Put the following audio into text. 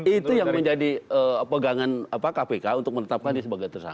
itu yang menjadi pegangan kpk untuk menetapkan dia sebagai tersangka